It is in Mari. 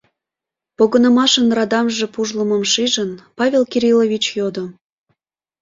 — погынымашын радамже пужлымым шижын, Павел Кириллович йодо.